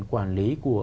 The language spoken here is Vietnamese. quản lý của